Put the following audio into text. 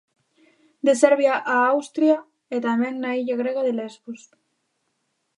De Serbia a Austria e tamén na illa grega de Lesbos.